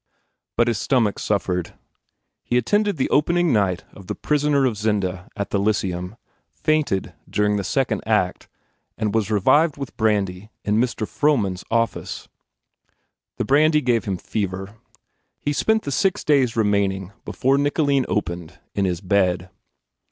But his stomach suffered. He attended the opening night of "The Prisoner of Zenda" at the Lyceum, fainted during the second act and was revived with brandy in Mr. Frohman s office. The brandy gave him fever; he spent the six days remaining before "Nicoline" opened, in his bed.